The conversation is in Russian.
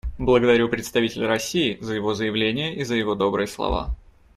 Благодарю представителя России за его заявление и за его добрые слова.